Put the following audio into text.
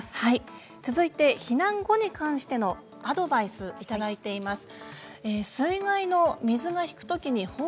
避難後に関してのアドバイスをいただいています。